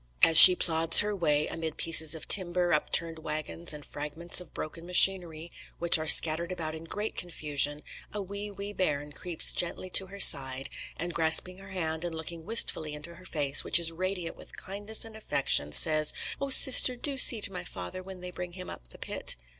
As she plods her way amid pieces of timber, upturned wagons and fragments of broken machinery, which are scattered about in great confusion, a "wee, wee bairn" creeps gently to her side, and grasping her hand and looking wistfully into her face, which is radiant with kindness and affection, says, "Oh, Sister, do see to my father when they bring him up the pit."